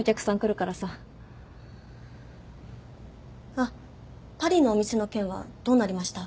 あっパリのお店の件はどうなりました？